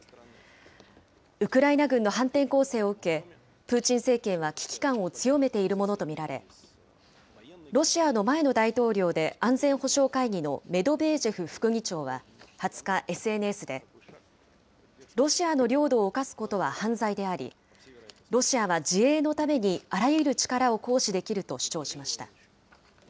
ウクライナ軍の反転攻勢を受け、プーチン政権は危機感を強めているものと見られ、ロシアの前の大統領で安全保障会議のメドベージェフ副議長は２０日、ＳＮＳで、ロシアの領土を侵すことは犯罪であり、ロシアは自衛のためにあらゆる力を行使できると主張しました。